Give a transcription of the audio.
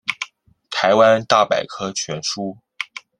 台湾大百科全书